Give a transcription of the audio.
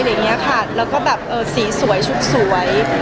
แล้วก็สีสวยชุดสวย